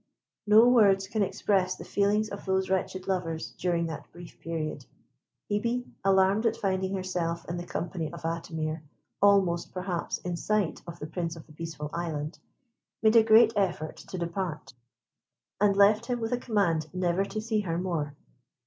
No words can express the feelings of those wretched lovers during that brief period. Hebe, alarmed at finding herself in the company of Atimir, almost, perhaps, in sight of the Prince of the Peaceful Island, made a great effort to depart, and left him with a command never to see her more.